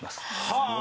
はあ！